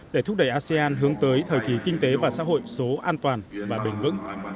để thúc đẩy asean hướng tới thời kỳ kinh tế và xã hội số an toàn và bền vững